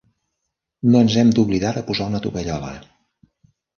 No ens hem d'oblidar de posar una tovallola.